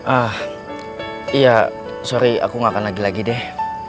ah iya sorry aku gak akan lagi lagi deh